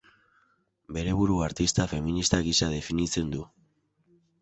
Bere burua artista feminista gisa definitzen du.